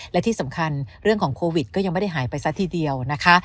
และที่สำคัญเรื่องของโควิดก็ยังไม่ได้หายไปซะทีเดียวนะคะ